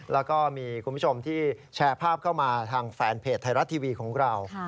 แล้วก็มีคุณผู้ชมที่แชร์ภาพเข้ามาทางแฟนเพจไทยรัฐทีวีของเรา